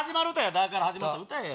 「だ」から始まる歌歌えや。